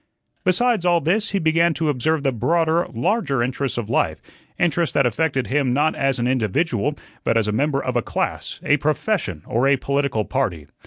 Besides all this, he began to observe the broader, larger interests of life, interests that affected him not as an individual, but as a member of a class, a profession, or a political party.